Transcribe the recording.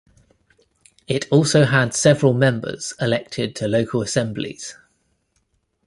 It also had several members elected to local assemblies.